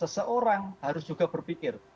seseorang harus juga berpikir